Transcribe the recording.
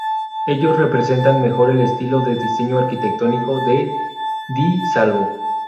Ellos representan mejor el estilo de diseño arquitectónico de Di Salvo.